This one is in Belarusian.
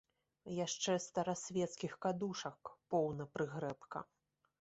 Яшчэ старасвецкіх кадушак поўна прыгрэбка.